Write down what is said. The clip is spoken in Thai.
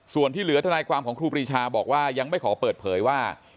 ส่วนที่เหลือทนายความของครูปรีชาบอกว่ายังไม่ขอเปิดเผยว่า